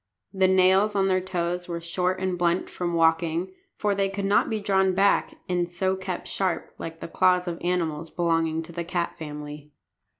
The nails on their toes were short and blunt from walking, for they could not be drawn back and so kept sharp, like the claws of animals belonging to the cat family.